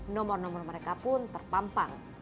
nomor nomor mereka pun terpampang